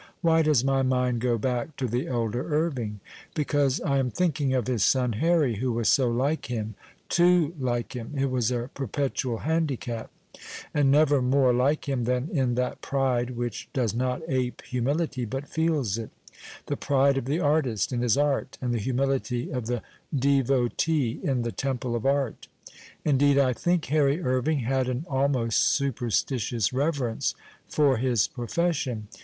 AVhy does my mind go back to the elder Irving ? Because I am thinking of his son Harry, who was so like him (too like him, it was a perpetual handieaj)), and never more like him than in that pride which does not ape humihty but feels it — the pride of the artist in his art and the humility of the devotee in the temj)lc of art. Indeed, I tiiink Il.irry Irving had an almost superstitious reverence for his profession.